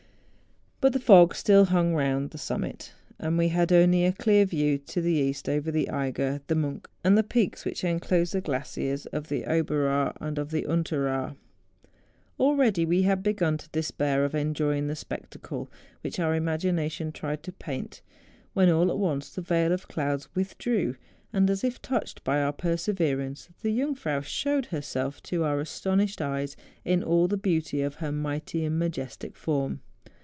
But the fog still hung round the summit, and we only had a clear view to the east over the Eiger, the Monch, and the peaks which enclose the glaciers of the Oberaar and of the Unteraar. Already we had begun to despair of enjoying the spectacle which our imagination tried to paint, when all at once the veil of clouds withdrew, and, as if touched by our perseverance, the Jungfrau showed herself to our astonished eyes in all the beauty of her mighty and majestic form.